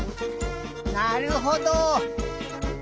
なるほど。